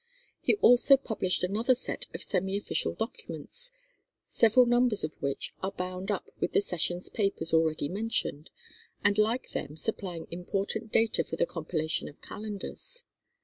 He also published another set of semi official documents, several numbers of which are bound up with the sessions' papers already mentioned, and like them supplying important data for the compilation of calendars.